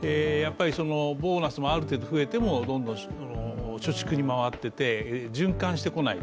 ボーナスもある程度増えてもどんどん貯蓄に回ってて循環してこない。